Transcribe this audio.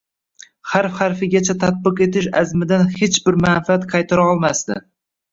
harf-harfigacha tatbiq etish azmidan hech bir manfaat qaytarolmasdi.